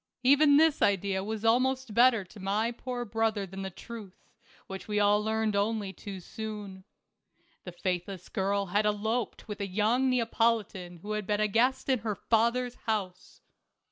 Even this idea was almost better to my poor brother than the truth, which we all learned only too soon. The faithless girl had eloped with a young Neapolitan who had been a guest in her father's house.